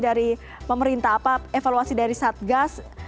dari pemerintah apa evaluasi dari satgas